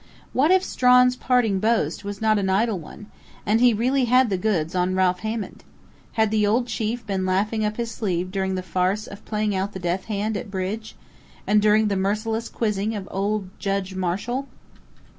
What if Strawn's parting boast was not an idle one, and he really had "the goods" on Ralph Hammond? Had the old chief been laughing up his sleeve during the farce of playing out the "death hand at bridge," and during the merciless quizzing of old Judge Marshall?